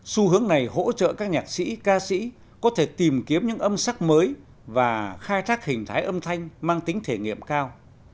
xu hướng này hỗ trợ các nhạc sĩ ca sĩ có thể tìm kiếm những âm sắc mới và khai thác hình thái âm thanh mang tính thể nghiệm cao